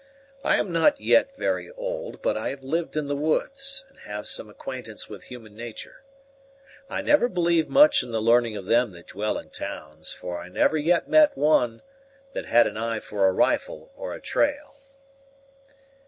I am not yet very old, but I have lived in the woods, and have some acquaintance with human natur'. I never believe much in the learning of them that dwell in towns, for I never yet met with one that had an eye for a rifle or a trail."